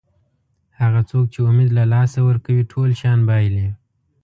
هغه څوک چې امید له لاسه ورکوي ټول شیان بایلي.